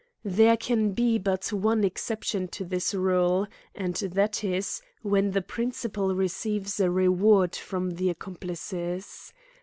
There can be but one exccpt tion to this rule, and that is, when the principal receives a reward from the accomplices.